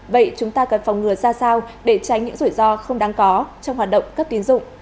vậy chúng ta cần phòng ngừa ra sao để tránh những rủi ro không đáng có trong hoạt động cấp tiến dụng